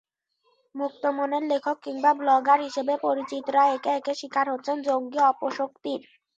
মুক্তমনের লেখক কিংবা ব্লগার হিসেবে পরিচিতরা একে একে শিকার হচ্ছেন জঙ্গি অপশক্তির।